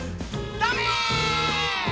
ダメ！